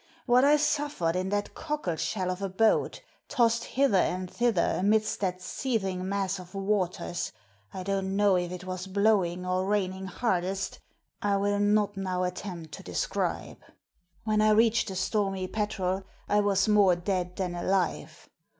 What I suffered in that cockle shell of a boat, tossed hither and thither amidst that seething mass of waters — I don't know if it was blowing or raining hardest — I will not now attempt to describe. When I reached the Stormy Petrel I was more dead than alive.